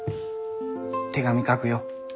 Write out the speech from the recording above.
手紙書くよ。